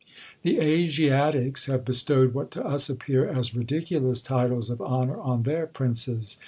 The Asiatics have bestowed what to us appear as ridiculous titles of honour on their princes.